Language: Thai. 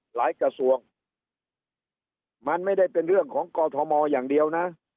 กระทรวงมันไม่ได้เป็นเรื่องของกอทมอย่างเดียวนะ